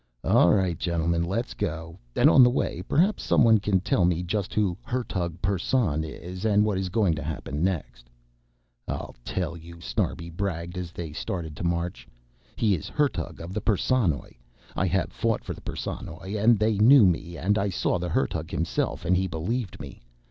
"All right gentlemen, let's go. And on the way perhaps someone can tell me just who Hertug Persson is and what is going to happen next." "I'll tell you," Snarbi bragged as they started the march. "He is Hertug of the Perssonoj. I have fought for the Perssonoj and they knew me and I saw the Hertug himself and he believed me.